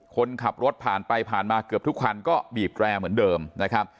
คนขับรถผ่านไปผ่านมาเกือบทุกคันก็บีบแร่เหมือนเดิมนะครับ